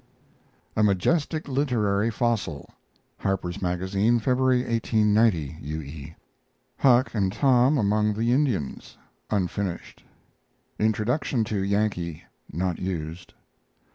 A MAJESTIC LITERARY FOSSIL Harper's Magazine, February, 1890. U. E. HUCK AND TOM AMONG THE INDIANS (unfinished). Introduction to YANKEE (not used).